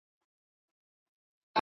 د روښان له خلوتونو د ایپي له مورچلونو